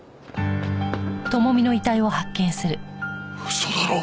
嘘だろ。